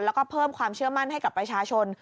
แล้วก็เพิ่มความเชื่อมั่นให้กับประชาชน